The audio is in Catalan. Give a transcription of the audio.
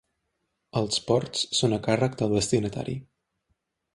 Els ports són a càrrec del destinatari.